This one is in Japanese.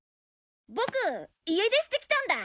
ボク家出してきたんだ。